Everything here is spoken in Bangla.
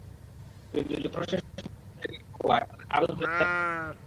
কিন্তু যুক্তরাষ্ট্রের সমর্থন আদায়ে ব্যর্থ হওয়ায় তাদের আবেদন হালে পানি পাচ্ছে না।